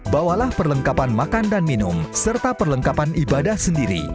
bawalah perlengkapan makan dan minum serta perlengkapan ibadah sendiri